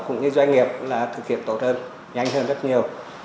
cũng như doanh nghiệp là thực hiện tổ chơn nhanh hơn rất nhiều